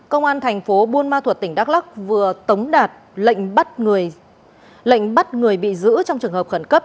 công an thành phố buôn ma thuật tỉnh đắk lắc vừa tống đạt lệnh bắt người bị giữ trong trường hợp khẩn cấp